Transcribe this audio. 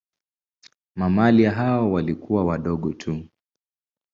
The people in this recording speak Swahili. Mamalia hao walikuwa wadogo tu.